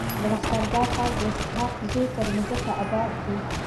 د لښکر ګاه ښار د اسحق زو پر مځکه اباد دی.